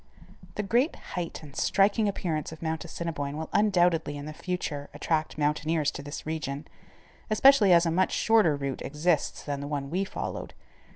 The great height and striking appearance of Mount Assiniboine will undoubtedly, in the future, attract mountaineers to this region, especially as a much shorter route exists than the one we followed.